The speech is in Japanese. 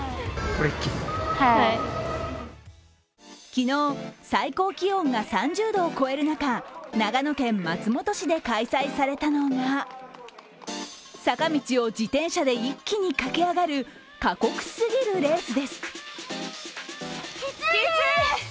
昨日、最高気温が３０度を超える中長野県松本市で開催されたのが坂道を自転車で一気に駆け上がる過酷すぎるレースです。